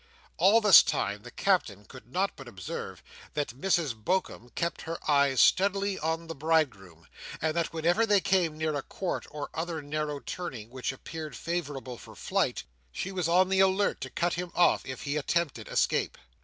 All this time, the Captain could not but observe that Mrs Bokum kept her eyes steadily on the bridegroom, and that whenever they came near a court or other narrow turning which appeared favourable for flight, she was on the alert to cut him off if he attempted escape.